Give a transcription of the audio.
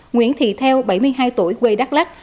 nguyễn thị theo bảy mươi hai tuổi quê đắk lắc